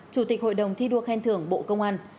chủ tịch hội đồng thi đua khen thưởng bộ công an